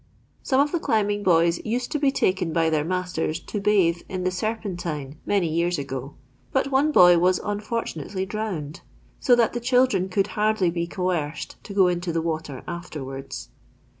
Some of the climbing boys used to be taken by their masters to bathe in the Ser pentine many years ago ; but one boy was un fortunately drowned, so that the children could hardly be coerced to go into the water afterwards.